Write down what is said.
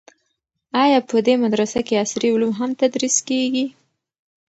آیا په دې مدرسه کې عصري علوم هم تدریس کیږي؟